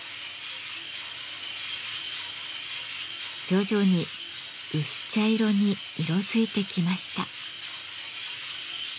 徐々に薄茶色に色づいてきました。